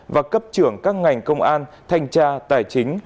và cấp trưởng các ngành công an thanh tra tài chính